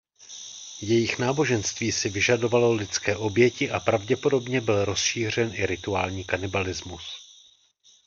Jejich náboženství si vyžadovalo lidské oběti a pravděpodobně byl rozšířen i rituální kanibalismus.